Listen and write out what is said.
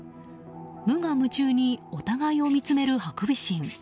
無我夢中にお互いを見つめるハクビシン。